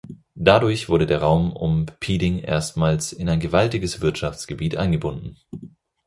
Dadurch wurde der Raum um Piding erstmals in ein gewaltiges Wirtschaftsgebiet eingebunden.